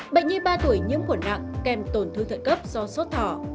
bệnh như ba tuổi nhiễm khổ nặng kèm tổn thương thận cấp do sốt thỏ